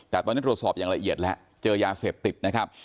แต่ตอนนี้ตรวจสอบอย่างละเอียดแล้วเจอยาเสพติดนะครับ